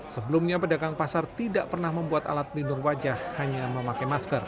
sebelumnya pedagang pasar tidak pernah membuat alat pelindung wajah hanya memakai masker